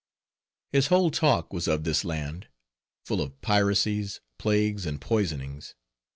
His whole talk was of this land; full of piracies, plagues and poisonings.